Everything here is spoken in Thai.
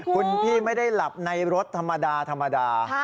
คุณพี่ไม่ได้หลับในรถธรรมดาธรรมดา